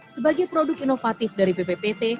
sebagai produk inovatif dari bppt